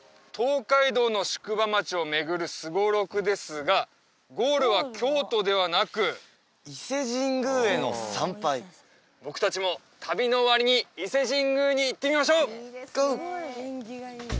東海道の宿場町を巡るすごろくですがゴールは京都ではなく伊勢神宮への参拝僕達も旅の終わりに伊勢神宮に行ってみましょうゴー！